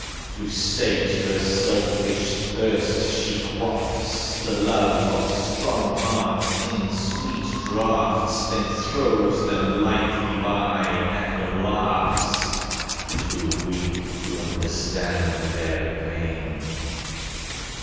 To sate her selfish thirst she quaffs The love of strong hearts in sweet draughts, Then throws them lightly by and laughs, Too weak to understand their pain.